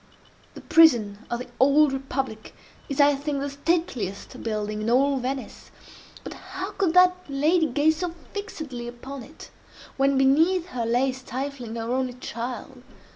The prison of the Old Republic is, I think, the stateliest building in all Venice—but how could that lady gaze so fixedly upon it, when beneath her lay stifling her only child?